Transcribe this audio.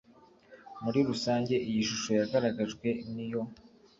muri rusange iyi shusho yagaragajwe ni yo